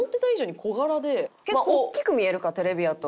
大きく見えるかテレビやと。